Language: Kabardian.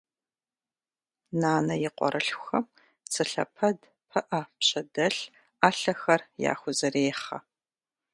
Нанэ и къуэрылъхухэм цы лъэпэд, пыӏэ, пщэдэлъ, ӏэлъэхэр яхузэрехъэ.